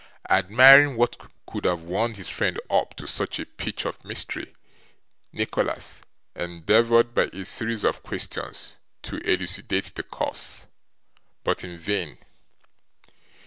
Admiring what could have wound his friend up to such a pitch of mystery, Nicholas endeavoured, by a series of questions, to elucidate the cause; but in vain.